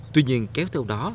tuy nhiên kéo theo đó